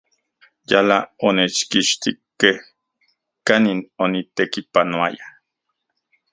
Yala onechkixtikej kanin onitekipanoaya.